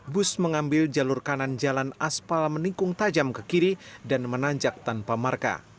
bus mengambil jalur kanan jalan aspal meningkung tajam ke kiri dan menanjak tanpa marka